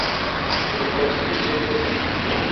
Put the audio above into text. Bi qesdî vê nekin.